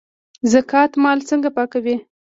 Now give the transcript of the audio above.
زکات مال څنګه پاکوي؟